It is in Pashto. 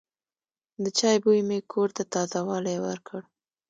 د چای بوی مې کور ته تازه والی ورکړ.